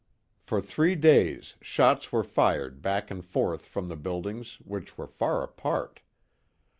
For three days shots were fired back and forth from the buildings, which were far apart.